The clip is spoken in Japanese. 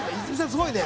すごいね。